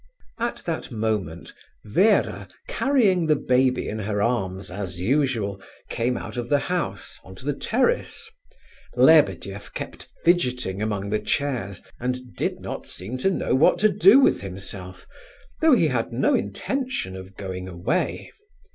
At that moment Vera, carrying the baby in her arms as usual, came out of the house, on to the terrace. Lebedeff kept fidgeting among the chairs, and did not seem to know what to do with himself, though he had no intention of going away.